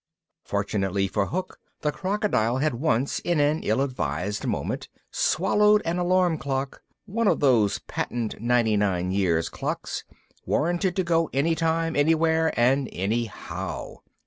Fortunately for Hook, the crocodile had once, in an ill advised moment, swallowed an alarum clock (one of those patent ninety nine years clocks, warranted to go any time, anywhere and anyhow).